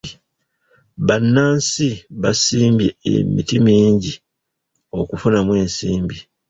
Bannansi basimbye emiti mingi okufunamu ensimbi.